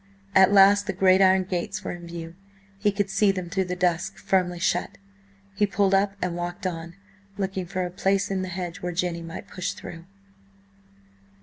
At last the great iron gates were in view; he could see them through the dusk, firmly shut. He pulled up and walked on, looking for a place in the hedge where Jenny might push through.